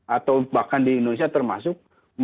atau bahkan di indonesia termasuk